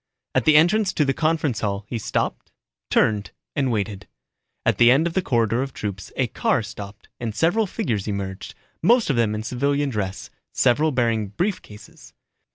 At the entrance to the conference hall he stopped, turned and waited. At the end of the corridor of troops a car stopped and several figures emerged, most of them in civilian dress, several bearing brief cases.